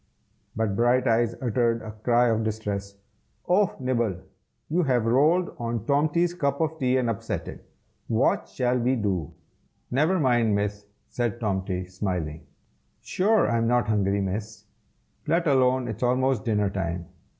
But Brighteyes uttered a cry of distress. "Oh! Nibble, you have rolled on Tomty's cup of tea and upset it. What shall we do?" "Never mind, Miss!" said Tomty, smiling, "sure I'm not hungry, Miss, let alone it's almost dinner time.